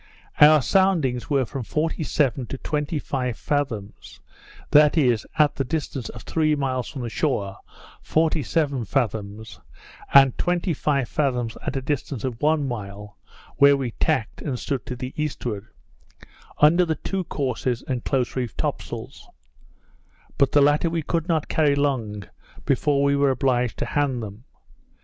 Our soundings were from forty seven to twenty five fathoms; that is, at the distance of three miles from the shore, forty seven fathoms; and twenty five fathoms at the distance of one mile, where we tacked, and stood to the eastward, under the two courses and close reefed top sails; but the latter we could not carry long before we were obliged to hand them.